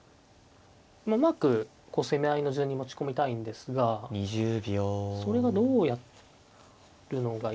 うまく攻め合いの順に持ち込みたいんですがそれがどうやるのがいいのか。